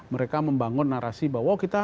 mereka membangun narasi bahwa kita